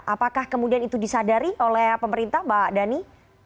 apakah kemudian itu disadari oleh pemerintah mbak dhani